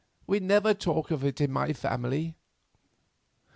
We never talk of it in my family."